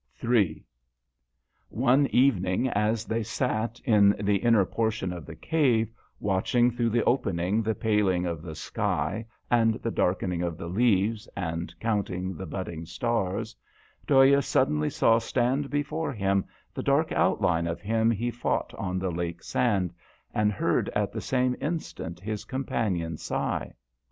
III. |NE evening as they sat in the inner portion of the cave, watching through the opening the paling of the sky and the darkening of the leaves, and counting the budding stars, Dhoya suddenly saw stand before him the dark outline of him he fought on the lake sand, and heard at the same instant his companion sigh.